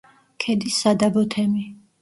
ქედის სადაბო თემი.